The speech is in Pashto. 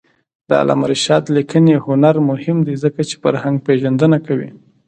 د علامه رشاد لیکنی هنر مهم دی ځکه چې فرهنګپېژندنه کوي.